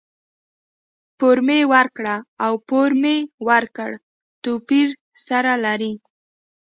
پور مي ورکړ او پور مې ورکړ؛ توپير سره لري.